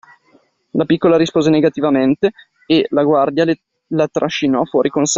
La piccola rispose negativamente e la guardia la trascinò fuori con sé.